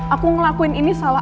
aku ngelakuin ini salah